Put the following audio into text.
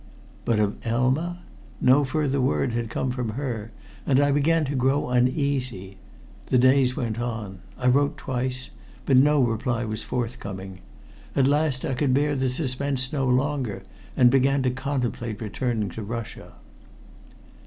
But of Elma? No further word had come from her, and I began to grow uneasy. The days went on. I wrote twice, but no reply was forthcoming. At last I could bear the suspense no longer, and began to contemplate returning to Russia.